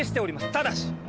ただし！